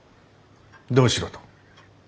どうしろと？